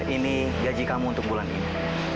ini gaji kamu untuk bulan ini